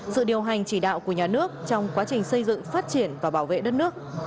sự điều hành chỉ đạo của nhà nước trong quá trình xây dựng phát triển và bảo vệ đất nước